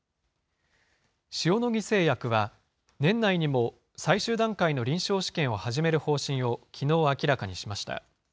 塩野義製薬は、年内にも、最終段階の臨床試験を始める方針を、きのう、明らかにしました。